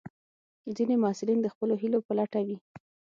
ځینې محصلین د خپلو هیلو په لټه وي.